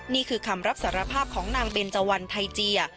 นี่คือคำรับสารภาพของนางเบนเจาันไทเจีย